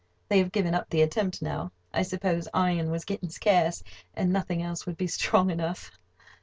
They have given up the attempt now. I suppose iron was getting scarce, and nothing else would be strong enough.